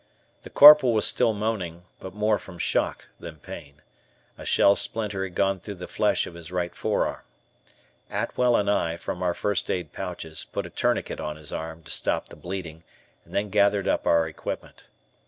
The Corporal was still moaning, but more from shock than pain. A shell splinter had gone through the flesh of his right forearm. Atwell and I, from our first aid pouches, put a tourniquet on his arm to stop the bleeding, and then gathered up our equipment.